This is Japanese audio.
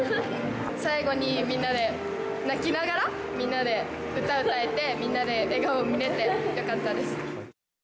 最後にみんなで泣きながら、みんなで歌歌えて、みんなの笑顔を見れて、よかったです。